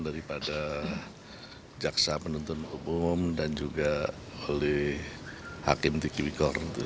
daripada jaksa penuntun umum dan juga oleh hakim tikiwikor